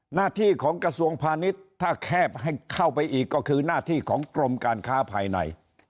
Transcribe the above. หน้าที่ของกระทรวงพาณิชย์ถ้าแคบให้เข้าไปอีกก็คือหน้าที่ของกรมการค้าภายใน